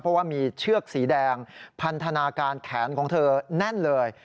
เพราะว่ามีเชือกสีแดงพันธนาการแขนของเธอแน่นเลย